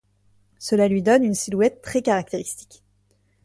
Cela lui donne une silhouette très caractéristique.